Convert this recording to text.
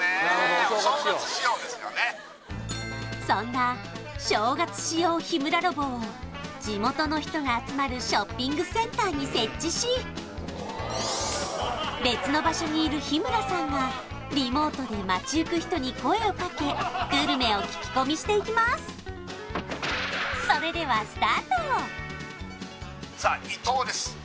そんな正月仕様日村ロボを地元の人が集まるショッピングセンターに設置し別の場所にいる日村さんがリモートで町行く人に声をかけグルメを聞き込みしていきますさあ伊東です